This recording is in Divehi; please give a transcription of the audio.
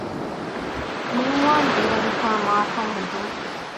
މިއުވާން ދެރަވެފައި މަޢާފަށް އެދުން